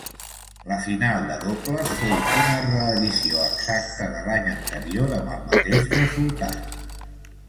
La final de dobles fou una reedició exacta de l'any anterior amb el mateix resultat.